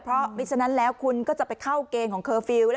เพราะมิฉะนั้นแล้วคุณก็จะไปเข้าเกณฑ์ของเคอร์ฟิลล์